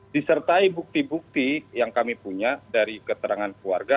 disertai bukti bukti yang kami punya dari keterangan keluarga